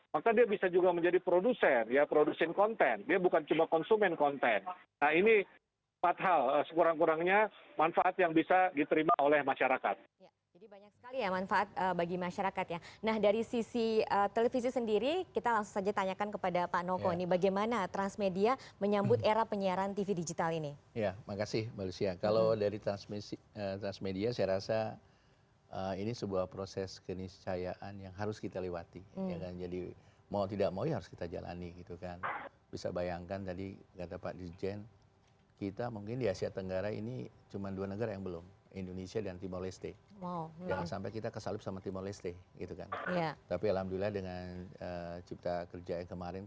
maka dia bisa juga menjadi produser ya producin konten dia bukan cuma konsumen konten